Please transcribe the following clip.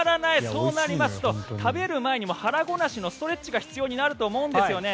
そうなりますと食べる前に腹ごなしのストレッチが必要になると思うんですよね。